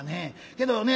けどね